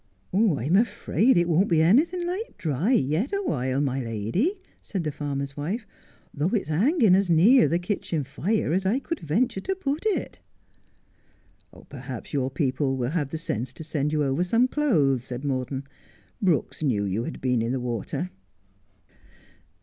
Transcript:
' I'm afraid it won't be anything like dry yet awhile, my lady,' said the farmer's wife, ' though it's hanging as near the kitchen fire as I could venture to put it.' ' Perhaps your people will have the sense to send you over some clothes,' said Morton. 'Brooks knew you had been in the water.'